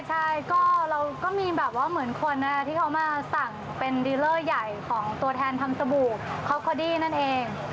ใช่ก็เราก็มีแบบว่าเหมือนคนที่เขามาสั่งเป็นดีเลอร์ใหญ่ของตัวแทนทำสบู่คอปอดี้นั่นเอง